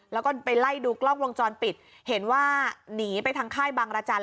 แล้วก็ไปไล่ดูกล้องวงจรปิดเห็นว่าหนีไปทางค่ายบางรจันท